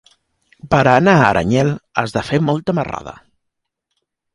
Per anar a Aranyel has de fer molta marrada.